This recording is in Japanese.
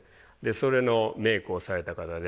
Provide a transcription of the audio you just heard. それのメイクをされた方で。